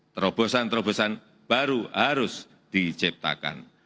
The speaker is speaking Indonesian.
terobosan terobosan baru harus diciptakan